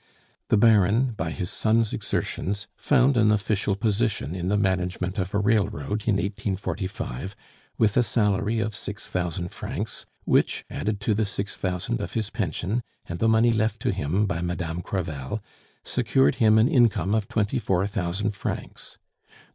The Baron by his son's exertions found an official position in the management of a railroad, in 1845, with a salary of six thousand francs, which, added to the six thousand of his pension and the money left to him by Madame Crevel, secured him an income of twenty four thousand francs.